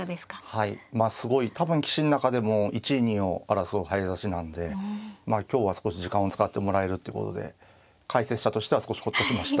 はいまあすごい多分棋士の中でも一二を争う早指しなんで今日は少し時間を使ってもらえるってことで解説者としては少しほっとしました。